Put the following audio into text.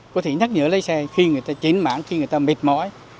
có thể nhắc nhở lái xe khi người ta chến mãn khi người ta mệt mỏi